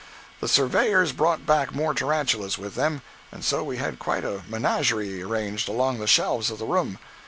The surveyors brought back more tarantulas with them, and so we had quite a menagerie arranged along the shelves of the room.